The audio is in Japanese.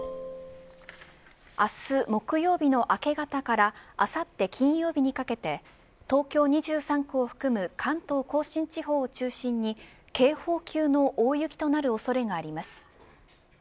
明日木曜日の明け方からあさって金曜日にかけて東京２３区を含む関東甲信地方を中心に警報級の大雪となる恐れがあります。